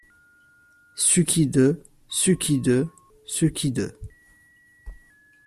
Suki de, Suki de, Suki de.